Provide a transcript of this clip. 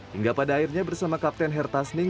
hingga pada akhirnya bersama kapten hertasning